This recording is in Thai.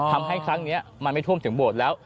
ทำให้ครั้งนี้มันไม่ท่วมที่บทแล้ว